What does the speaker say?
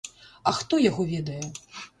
А хто яго ведае!